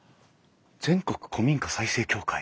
全国古民家再生協会。